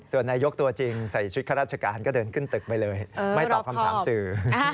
ส่วนนายกตัวจริงใส่ชุดข้าราชการก็เดินขึ้นตึกไปเลยไม่ตอบคำถามสื่อ